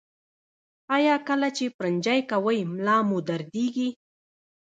ایا کله چې پرنجی کوئ ملا مو دردیږي؟